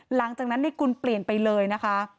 หลังจากนั้นในกุลเปลี่ยนไปเลยนะคะ